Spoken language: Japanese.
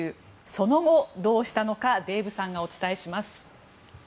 その後、どうしたのかデーブさんがお伝えします。